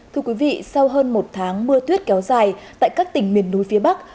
thưa quý vị sau hơn một tháng mưa tuyết kéo dài tại các tỉnh miền núi phía bắc